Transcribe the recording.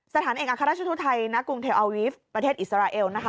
สถานเอกอาคารชนุทธัยณกรุงเทียวอาวิฟต์ประเทศอิสราเอลนะคะ